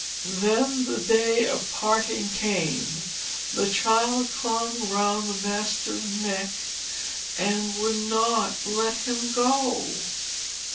Then when the day of parting came the child clung round the master's neck and would not let him go.